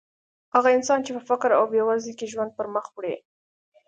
هغه انسانان چې په فقر او بېوزلۍ کې ژوند پرمخ وړي.